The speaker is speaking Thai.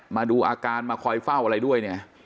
มาดูอาการมาคอยเฝ้าอะไรด้วยเนี่ย